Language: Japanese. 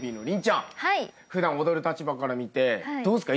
普段踊る立場から見てどうっすか？